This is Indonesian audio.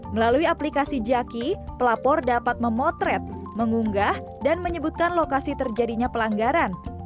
melalui aplikasi jaki pelapor dapat memotret mengunggah dan menyebutkan lokasi terjadinya pelanggaran